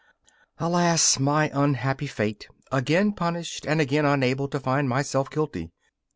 15 Alas! my unhappy fate! again punished and again unable to find myself guilty.